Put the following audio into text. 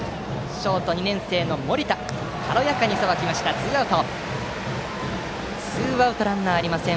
ショートの２年生の森田が軽やかにさばいてツーアウト、ランナーありません。